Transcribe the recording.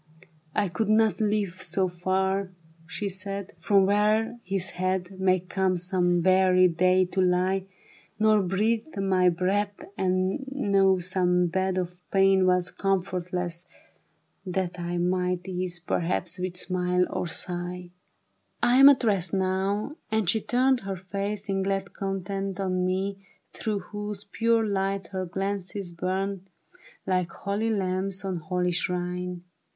*' I could not live so far," she said, " From where his head May come some weary day to lie ; Nor breathe my breath and know some bed Of pain was comfortless, that I Might ease perhaps with smile or sigh. *'I am at rest now," and she turned Her face in glad content on mine. Through whose pure light her glances burned Like holy lamps on holy shrine.